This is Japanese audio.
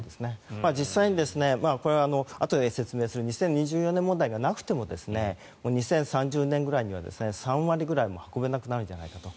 実際に、これはあとで説明する２０２４年問題がなくても２０３０年ぐらいには３割ぐらい運べなくなるんじゃないかと。